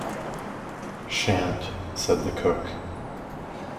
‘Shan’t,’ said the cook.